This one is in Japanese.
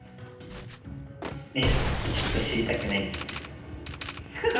えっちょっと知りたくないです。